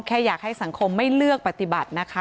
แค่อยากให้สังคมไม่เลือกปฏิบัตินะคะ